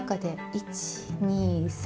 １２３。